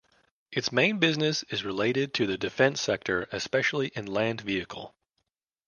Its main business is related to the defense sector especially in land vehicle.